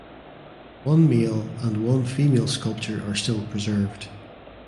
One male and one female sculpture are still preserved.